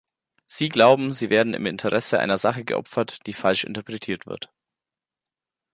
Sie glauben, sie werden im Interesse einer Sache geopfert, die falsch interpretiert wird.